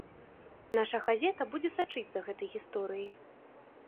Наша газета будзе сачыць за гэтай гісторыяй.